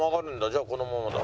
じゃあこのままだ。